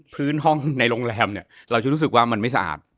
พื้นห้องในโรงแรมเนี่ยเราจะรู้สึกว่ามันไม่สะอาด